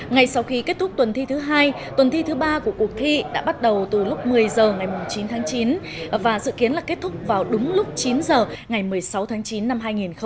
ngay sau khi kết thúc tuần thi thứ hai tuần thi thứ ba của cuộc thi đã bắt đầu từ lúc một mươi h ngày chín tháng chín và dự kiến là kết thúc vào đúng lúc chín h ngày một mươi sáu tháng chín năm hai nghìn một mươi chín